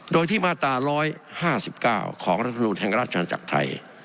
โดยที่มาตรา๑๕๙ของรัฐธรรมนุษย์แห่งรัฐธรรมจักรไทย